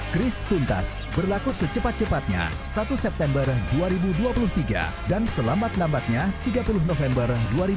kris tuntas berlaku secepat cepatnya satu september dua ribu dua puluh tiga dan selambat lambatnya tiga puluh november dua ribu dua puluh